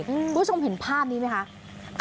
คุณผู้ชมเห็นภาพนี้ไหมคะ